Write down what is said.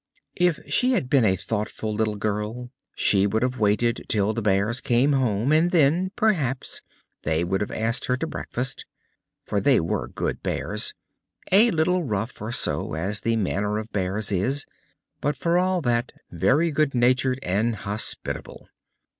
If she had been a thoughtful little Girl, she would have waited till the Bears came home, and then, perhaps, they would have asked her to breakfast; for they were good Bears a little rough or so, as the manner of Bears is, but for all that very good natured and hospitable.